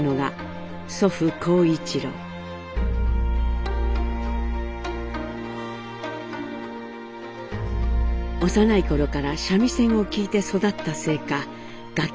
幼い頃から三味線を聴いて育ったせいか楽器が大好きな青年でした。